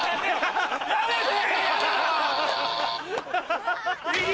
やめて！